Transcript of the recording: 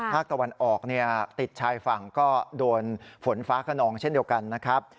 ภาคตะวันออกติดชายฝั่งก็โดนฝนฟ้าขนองเช่นเดียวกันนะครับ